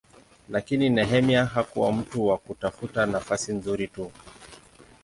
Lakini Nehemia hakuwa mtu wa kutafuta nafasi nzuri tu.